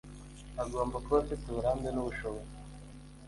agomba kuba afite uburambe n ubushobozi